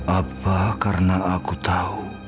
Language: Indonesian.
apa karena aku tahu